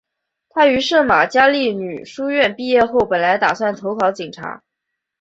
她于圣玛加利女书院毕业后本来打算投考警察。